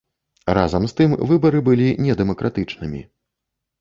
Разам з тым, выбары былі недэмакратычнымі.